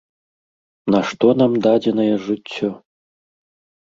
Нашто нам дадзенае жыццё?